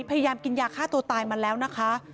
พยายามกินยาฆ่าตัวตายมาแล้วนะคะ